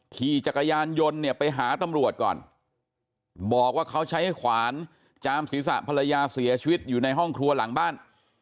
ขี่จักรยานยนต์เนี่ยไปหาตำรวจก่อนบอกว่าเขาใช้ขวานจามศีรษะภรรยาเสียชีวิตอยู่ในห้องครัวหลังบ้าน